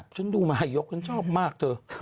ฉันดูมหายกฉันชอบมากเธอ